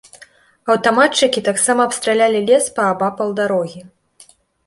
Аўтаматчыкі таксама абстралялі лес паабапал дарогі.